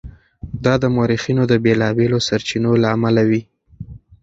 دا د مورخینو د بېلابېلو سرچینو له امله وي.